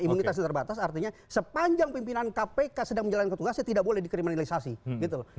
imunitasnya terbatas artinya sepanjang pimpinan kpk sedang menjalankan tugasnya tidak boleh dikriminalisasi gitu loh